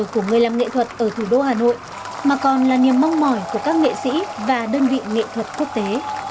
của người làm nghệ thuật ở thủ đô hà nội mà còn là niềm mong mỏi của các nghệ sĩ và đơn vị nghệ thuật quốc tế